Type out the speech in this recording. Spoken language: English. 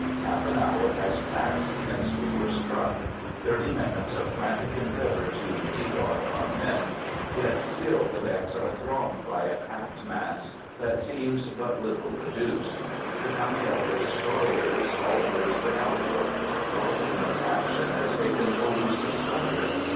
Half an hour has passed since we were struck thirty minutes of frantic endeavor to debark our men yet still the decks are thronged by a packed mass that seems but little reduced. The coming of the destroyers alters the outlook. Rifleman's action has taken over six hundred.